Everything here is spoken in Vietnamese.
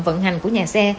vận hành của nhà xe